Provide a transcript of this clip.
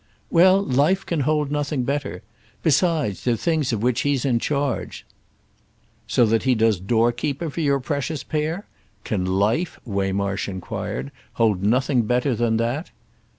"Well, life can hold nothing better. Besides, they're things of which he's in charge." "So that he does doorkeeper for your precious pair? Can life," Waymarsh enquired, "hold nothing better than _that?